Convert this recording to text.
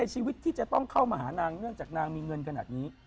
ชีวิตที่จะต้องเข้ามาหานางเนื่องจากนางมีเงินขนาดนี้